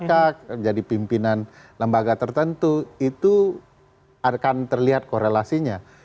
menjadi pimpinan lembaga tertentu itu akan terlihat korelasinya